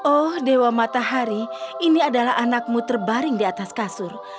oh dewa matahari ini adalah anakmu terbaring di atas kasur